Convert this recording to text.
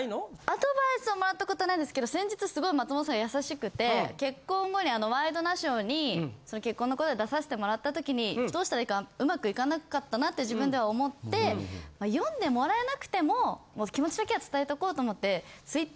アドバイスはもらったことないんですけど先日すごい松本さん優しくて結婚後にあの『ワイドナショー』にその結婚のことで出させてもらったときにどうしたらいいか上手くいかなかったなって自分では思って読んでもらえなくてももう気持ちだけは伝えておこうと思って。